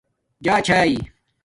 جݳچھایئئ